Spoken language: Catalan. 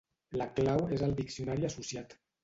La clau és el diccionari associat.